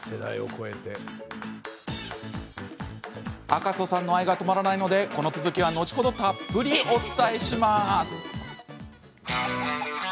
赤楚さんの愛が止まらないのでこの続きは後ほどたっぷりお伝えします。